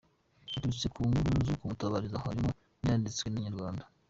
Biturutse ku nkuru zo kumutabariza harimo niyanditswe na inyarwanda.